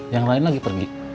yang lain lagi pergi